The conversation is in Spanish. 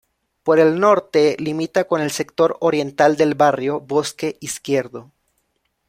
Por el norte limita con el sector oriental del barrio Bosque Izquierdo.